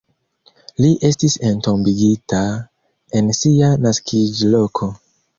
Li estis entombigita en sia naskiĝloko.